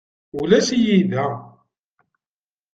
Ulac-iyi da.